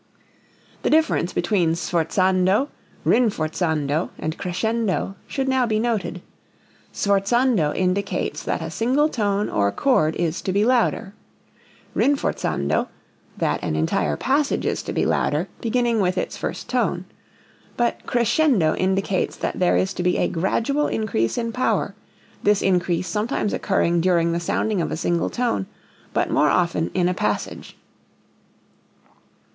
The difference between sforzando, rinforzando, and crescendo should now be noted: sforzando indicates that a single tone or chord is to be louder; rinforzando, that an entire passage is to be louder, beginning with its first tone; but crescendo indicates that there is to be a gradual increase in power, this increase sometimes occurring during the sounding of a single tone, but more often in a passage.